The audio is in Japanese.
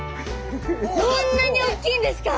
こんなにおっきいんですか？